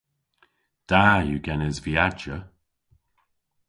Da yw genes viajya.